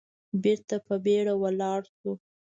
بېرته په بيړه ولاړ شو.